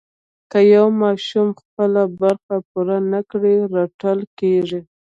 که یو ماشوم خپله برخه پوره نه کړي رټل کېږي.